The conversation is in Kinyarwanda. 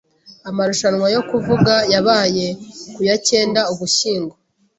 Amarushanwa yo kuvuga yabaye ku ya cyenda Ugushyingo.